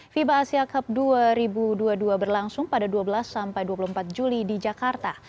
fiba asia cup dua ribu dua puluh dua berlangsung pada dua belas sampai dua puluh empat juli di jakarta